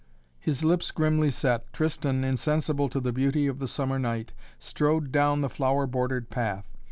His lips grimly set, Tristan, insensible to the beauty of the summer night, strode down the flower bordered path.